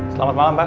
selamat malam pak